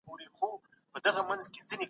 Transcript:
آیا فارابي د افلاطون نظرونه منل؟